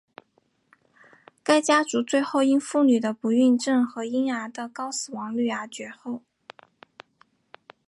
该家族最后因妇女的不孕症和婴儿的高死亡率而绝后。